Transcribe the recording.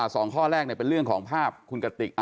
สองข้อแรกเป็นเรื่องของภาพคุณกติก